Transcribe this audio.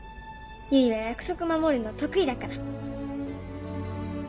唯は約束守るの得意だから。